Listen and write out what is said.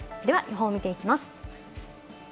では、予報見ていきます。